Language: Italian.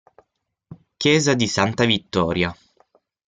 Chiesa di Santa Vittoria